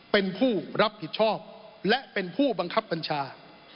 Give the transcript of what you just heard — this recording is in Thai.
เป็นผู้รับผิดชอบและเป็นผู้บังคับบัญชา